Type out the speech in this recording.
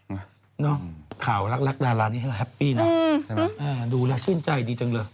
เนาะข่าวรักรักดารานี่แหละแฮปปี้นะดูแล้วชื่นใจดีจังเลย